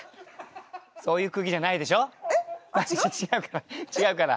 違うから違うから。